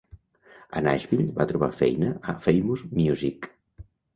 A Nashville, va trobar feina a Famous Music.